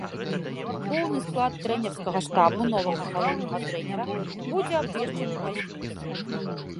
Поўны склад трэнерскага штабу новага галоўнага трэнера будзе абвешчаны пазней.